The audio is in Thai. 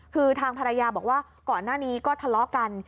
คือทางภรรยาบอกว่าก่อนหน้านี้ก็ทะเลาะกัน